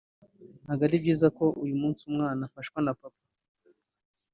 ntabwo ari byiza ko uyu munsi umwana afashwa na papa